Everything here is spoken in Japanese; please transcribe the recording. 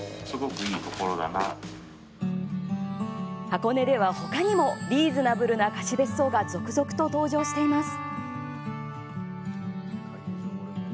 箱根では、他にもリーズナブルな貸し別荘が続々と登場しています。